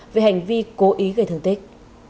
về hành vi cố ý gây thương tích